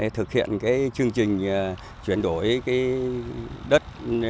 thực hiện chương trình chuyển đổi đất